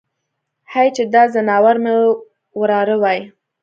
هی چې دا ځناور مې وراره وای.